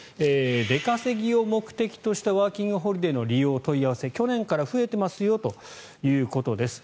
出稼ぎを目的としたワーキングホリデーの利用・問い合わせ去年から増えてますよということです。